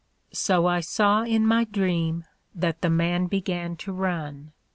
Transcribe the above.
So I saw in my Dream that the Man began to run.